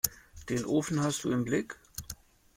Den Ofen hast du im Blick?